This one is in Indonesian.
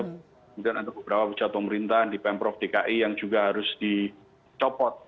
kemudian ada beberapa pejabat pemerintahan di pemprov dki yang juga harus dicopot